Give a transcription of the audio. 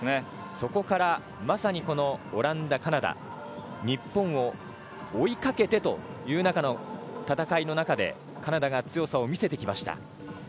そこからまさにオランダ、カナダ日本を追いかけてという中の戦いの中でカナダが強さを見せてきました。